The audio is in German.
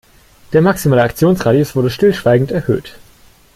Der maximale Aktionsradius wurde stillschweigend erhöht.